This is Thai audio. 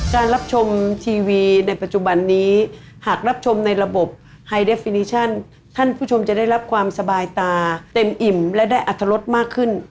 รับชมทีวีในปัจจุบันนี้หากรับชมในระบบไฮเดฟินิชั่นท่านผู้ชมจะได้รับความสบายตาเต็มอิ่มและได้อัตรรสมากขึ้น